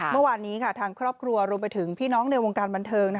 เมื่อวานนี้ทางครอบครัวรวมไปถึงพี่น้องในวงการบันเทิง